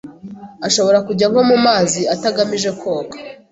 ashobora kujya nko ku mazi atagamije koga